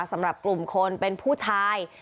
สำหรับกลุ่มคนเป็นผู้ชาย